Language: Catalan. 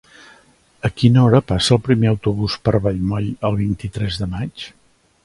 A quina hora passa el primer autobús per Vallmoll el vint-i-tres de maig?